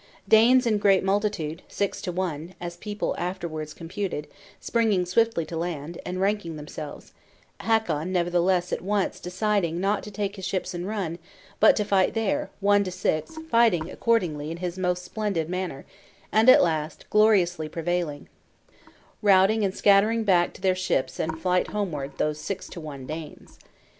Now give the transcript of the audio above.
Danes in great multitude, six to one, as people afterwards computed, springing swiftly to land, and ranking themselves; Hakon, nevertheless, at once deciding not to take to his ships and run, but to fight there, one to six; fighting, accordingly, in his most splendid manner, and at last gloriously prevailing; routing and scattering back to their ships and flight homeward these six to one Danes.